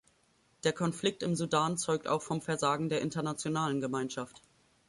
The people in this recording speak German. Der Konflikt im Sudan zeugt auch vom Versagen der internationalen Gemeinschaft.